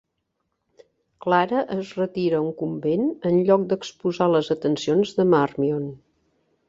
Clara es retira a un convent en lloc d'exposar les atencions de Marmion.